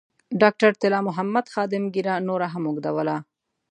ډاکټر طلا محمد خادم ږیره نوره هم اوږدوله.